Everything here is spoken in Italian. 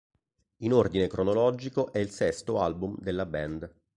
In ordine cronologico è il sesto album della band.